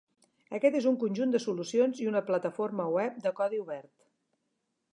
Aquest és un conjunt de solucions i una plataforma web de codi obert.